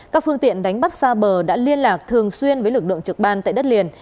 các phương tiện đánh bắt xa bờ đã liên lạc thường xuyên với lực lượng trực ban tại đất liền